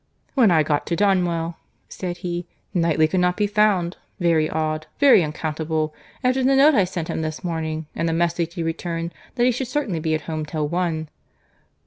"When I got to Donwell," said he, "Knightley could not be found. Very odd! very unaccountable! after the note I sent him this morning, and the message he returned, that he should certainly be at home till one."